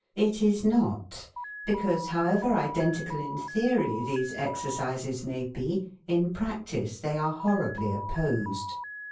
It is not, because however identi cal in theory these exercises may be, in prac tice they are horribly opposed.